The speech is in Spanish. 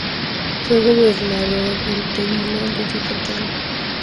Fue gobernador interino de Yucatán.